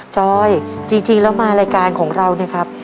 จอยจริงแล้วมารายการของเราเนี่ยครับ